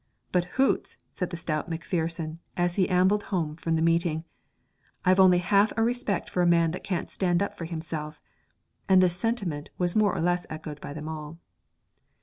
'But hoots,' said the stout Macpherson as he ambled home from the meeting, 'I've only half a respect for a man that can't stand up for himself;' and this sentiment was more or less echoed by them all.